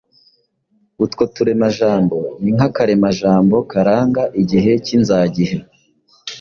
Utwo turemajambo ni nk’akaremajambo karanga igihe k’inzagihe